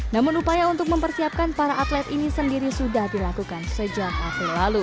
namun upaya untuk mempersiapkan para atlet ini sendiri sudah dilakukan sejak april lalu